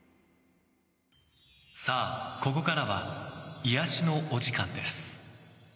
さあ、ここからは癒やしのお時間です。